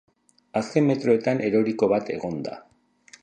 Azken metroetan eroriko bat egon da.